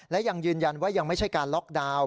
และยังยืนยันว่ายังไม่ใช่การล็อกดาวน์